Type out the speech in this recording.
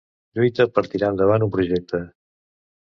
Lluita per tirar endavant un projecte.